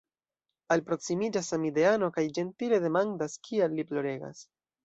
Alproksimiĝas samideano kaj ĝentile demandas, kial li ploregas.